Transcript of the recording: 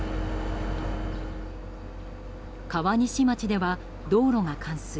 川西町では道路が冠水。